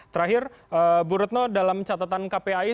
terakhir bu retno dalam catatan kpai